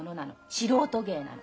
素人芸なの。